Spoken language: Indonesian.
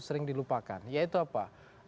sering dilupakan yaitu apa